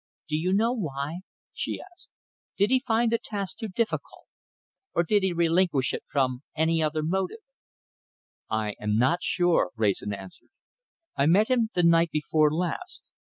"Do you know why?" she asked. "Did he find the task too difficult, or did he relinquish it from any other motive?" "I am not sure," Wrayson answered. "I met him the night before last.